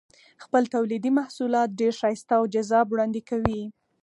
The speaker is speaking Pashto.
خپل تولیدي محصولات ډېر ښایسته او جذاب وړاندې کوي.